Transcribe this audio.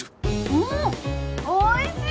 うんおいしい！